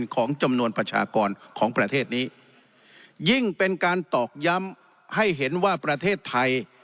ของจำนวนประชากรของประเทศนี้ยิ่งเป็นการตอกย้ำให้เห็นว่าประเทศไทย